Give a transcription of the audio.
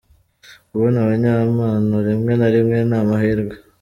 Kubona abanyempano rimwe na rimwe ni amahirwe.